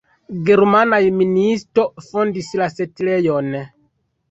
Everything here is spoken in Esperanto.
Germanaj ministo fondis la setlejon.